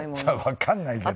わかんないけどね。